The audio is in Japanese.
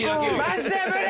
マジで無理！